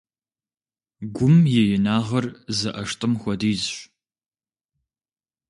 Гум и инагъыр зы ӀэштӀым хуэдизщ.